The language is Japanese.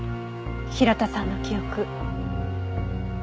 平田さんの記憶。